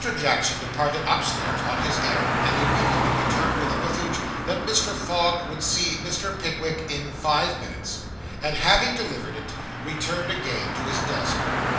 Jackson departed upstairs on his errand, and immediately returned with a message that Mr. Fogg would see Mr. Pickwick in five minutes; and having delivered it, returned again to his desk.